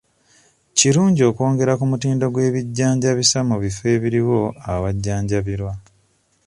Kirungi okwongera ku mutindo gw'ebijjanjabisa mu bifo ebiriwo awajjanjabirwa.